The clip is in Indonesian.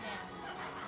lagi gambar orang hutan